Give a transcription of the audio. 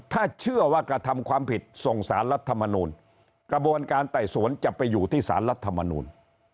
ถ้าเชื่อว่ากระทำความผิดส่งสารรัฐมนูลกระบวนการไต่สวนจะไปอยู่ที่สารรัฐมนูล